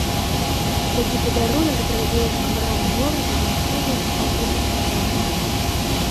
Такі падарунак зрабіў жыхарам горада мясцовы аўтобусны парк.